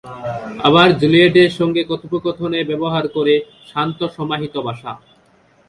আবার জুলিয়েটের সঙ্গে কথোপকথনে ব্যবহার করে শান্ত সমাহিত ভাষা।